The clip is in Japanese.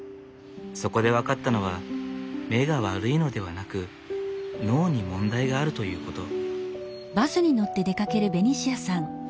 そこで分かったのは目が悪いのではなく脳に問題があるということ。